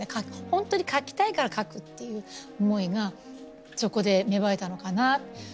本当に描きたいから描くっていう思いがそこで芽生えたのかな。